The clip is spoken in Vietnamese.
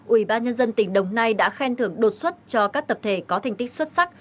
ủy ban nhân dân tỉnh đồng nai đã khen thưởng đột xuất cho các tập thể có thành tích xuất sắc